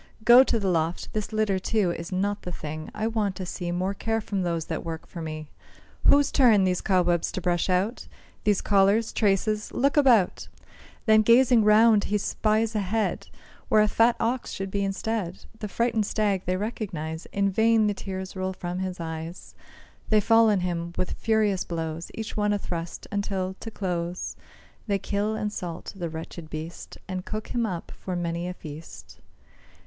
Go to the loft; this litter, too, Is not the thing. I want to see More care from those that work for me; Whose turn these cobwebs to brush out? These collars, traces? look about!" Then gazing round, he spies a head, Where a fat ox should be instead; The frightened stag they recognise. In vain the tears roll from his eyes; They fall on him with furious blows, Each one a thrust, until, to close, They kill and salt the wretched beast, And cook him up for many a feast.